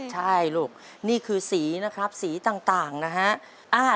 ใช่ลูกนี่คือสีนะครับสีต่างนะฮะ